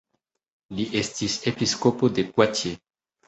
Li estis episkopo de Poitiers.